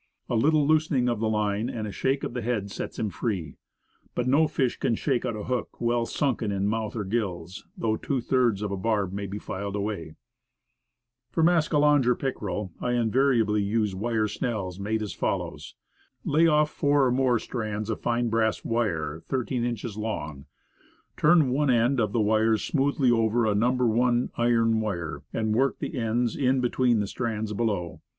A little loosening of the line and one shake of the head sets him free. But no fish can shake out a hook well sunken in mouth or gills, though two thirds of the barb be filed away. For mascalonge or pickerel I invariably use wire Frog Bait and Gangs. 59 snells made as follows: Lay off four or more strands of fine brass wire 13 inches long; turn one end of the u Vj J u FROG BAIT. THREE HOOK GANGS. wires smoothly over a No. 1 iron wire, and work the ends in between the strands below.